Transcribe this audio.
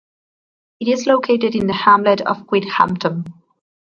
It is located in the hamlet of Quidhampton.